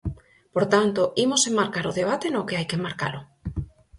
Por tanto, imos enmarcar o debate no que hai que enmarcalo.